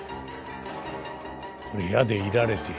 これ矢で射られて。